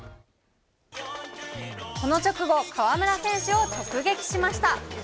この直後、河村選手を直撃しました。